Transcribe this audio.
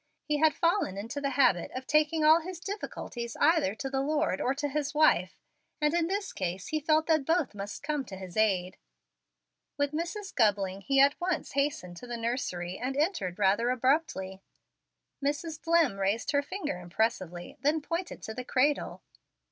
He had fallen into the habit of taking all his difficulties either to the Lord or to his wife, and in this case he felt that both must come to his aid. With Mrs. Gubling he at once hastened to the nursery, and entered rather abruptly. Mrs. Dlimm raised her finger impressively, then pointed to the cradle.